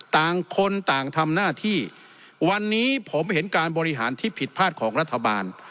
ต่างคนต่างทำหน้าที่วันนี้ผมเห็นการบริหารที่ผิดพลาดของรัฐบาล